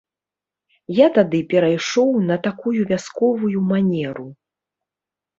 Я тады перайшоў на такую вясковую манеру.